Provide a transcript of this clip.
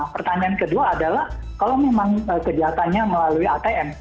pertanyaan kedua adalah kalau memang kejahatannya melalui atm